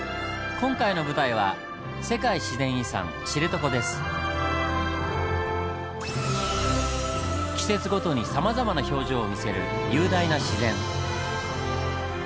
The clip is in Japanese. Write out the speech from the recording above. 今回の舞台は季節ごとにさまざまな表情を見せる雄大な自然。